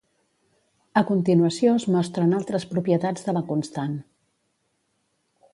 A continuació es mostren altres propietats de la constant.